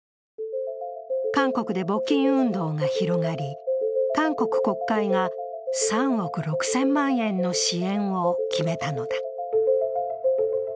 韓国で募金運動が広がり、韓国国会が３億６０００万円の支援を決めたのだ。